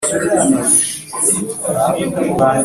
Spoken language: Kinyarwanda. Agirira pawulo neza e amwemerera kujya mu ncuti ze kugira